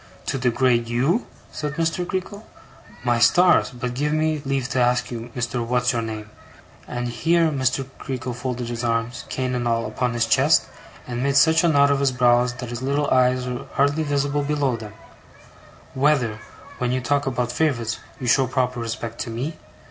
'To degrade YOU?' said Mr. Creakle. 'My stars! But give me leave to ask you, Mr. What's your name'; and here Mr. Creakle folded his arms, cane and all, upon his chest, and made such a knot of his brows that his little eyes were hardly visible below them; 'whether, when you talk about favourites, you showed proper respect to me?